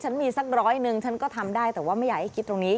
ฉันมีสัก๑๐๐หนึ่งก็ทำได้แต่ไม่ให้คิดตรงนี้